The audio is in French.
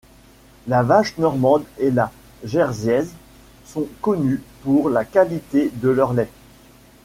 La vache normande et la jersiaise sont connues pour la qualité de leur lait.